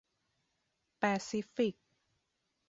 แปซิฟิก